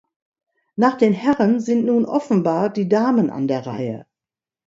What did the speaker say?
Nach den Herren sind nun offenbar die Damen an der Reihe.